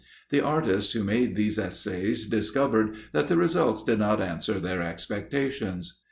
The artists who made these essays discovered that the results did not answer their expectations.